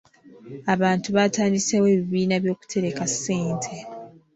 Abantu batandiseewo ebibiina by'okutereka ssente.